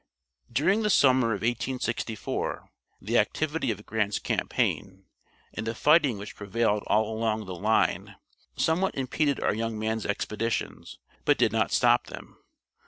During the summer of 1864 the activity of Grant's campaign, and the fighting which prevailed all along the line, somewhat impeded our young man's expeditions, but did not stop them.